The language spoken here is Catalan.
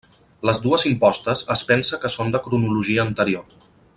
Les dues impostes es pensa que són de cronologia anterior.